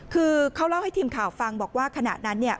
คือเขาเล่าให้ทีมข่าวฟังบอกว่าขณะนั้นเนี่ย